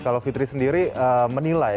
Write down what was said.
kalau fitri sendiri menilai